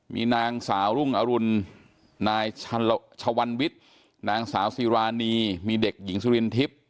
มีนางสาวรุ่งอรุณนายชวันวิทย์นางสาวซีรานีมีเด็กหญิงสุรินทิพย์